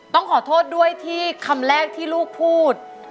ต้องขอโทษด้วยที่คำแรกที่ลูกพูด